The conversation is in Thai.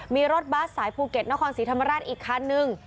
มีรถบัสสายภูเก็ตนครศรีธรรมราชอีกคันนึง